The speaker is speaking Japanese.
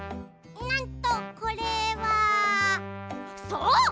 なんとこれはそう！